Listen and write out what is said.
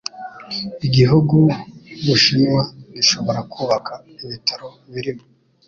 Igihugu nk'Ubushinwa gishobora kubaka ibitaro birimo